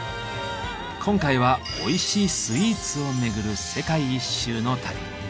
今回はおいしいスイーツを巡る世界一周の旅。